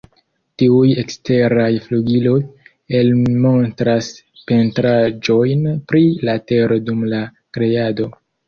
Tiuj eksteraj flugiloj, elmontras pentraĵon pri la tero dum la Kreado.